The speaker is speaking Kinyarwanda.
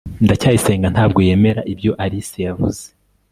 ndacyayisenga ntabwo yemera ibyo alice yavuze